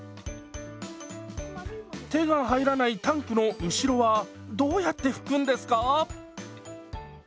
手が入らないタンクの後ろはどうやって拭くんですか？